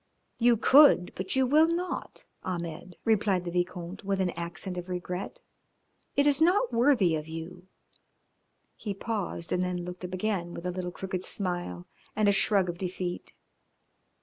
"You could, but you will not, Ahmed," replied the Vicomte, with an accent of regret. "It is not worthy of you." He paused and then looked up again with a little crooked smile and a shrug of defeat.